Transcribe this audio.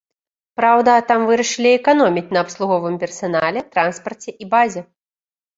Праўда, там вырашылі эканоміць на абслуговым персанале, транспарце і базе.